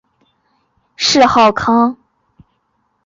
谥号康。